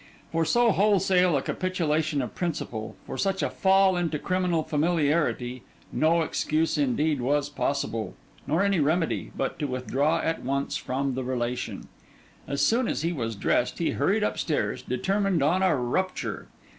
For so wholesale a capitulation of principle, for such a fall into criminal familiarity, no excuse indeed was possible; nor any remedy, but to withdraw at once from the relation. As soon as he was dressed, he hurried upstairs, determined on a rupture.